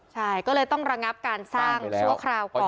ใช่ก็เลยต้องระงับการสร้างชั่วคราวก่อน